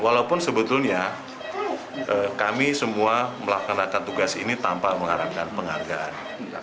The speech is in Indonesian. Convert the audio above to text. walaupun sebetulnya kami semua melaksanakan tugas ini tanpa mengharapkan penghargaan